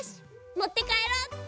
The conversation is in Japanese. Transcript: もってかえろうっと。